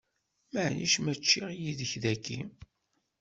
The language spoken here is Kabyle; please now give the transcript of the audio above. Maɛlic ma ččiɣ yid-k dagi?